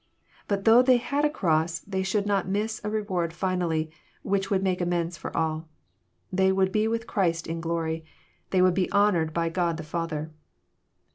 But though they had a cross, they should not miss a reward finally, which would make amends for all. They would be with Christ in glory. They would be honoured by God the Father.